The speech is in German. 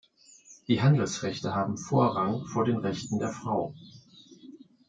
Die Handelsrechte haben Vorrang vor den Rechten der Frau.